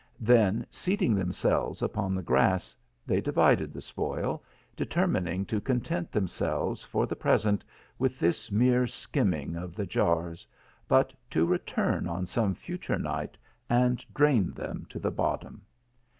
Then seating themselves upon the grass, they divided the spoil, determining to content themselves for the present with this mere skimming of the jars, but to return on some future night and drain them to the bottom.